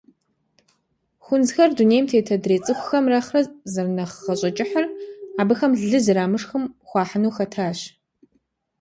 Хунзхэр дунейм тет адрей цӏыхухэм нэхърэ зэрынэхъ гъащӏэкӏыхьыр абыхэм лы зэрамышхым хуахьыну хэтащ.